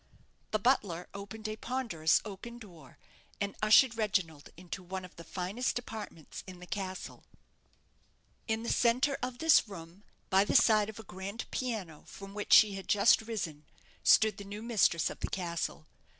The butler opened a ponderous oaken door, and ushered Reginald into one of the finest apartments in the castle. In the centre of this room, by the side of a grand piano, from which she had just risen, stood the new mistress of the castle.